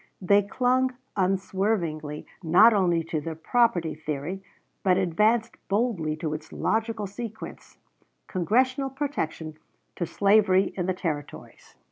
They clung unswervingly not only to the property theory, but advanced boldly to its logical sequence Congressional protection to slavery in the Territories.